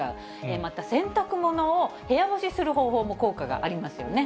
また洗濯物を部屋干しする方法も効果がありますよね。